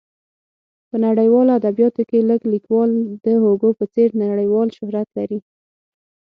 په نړیوالو ادبیاتو کې لږ لیکوال د هوګو په څېر نړیوال شهرت لري.